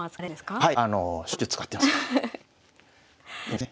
はい。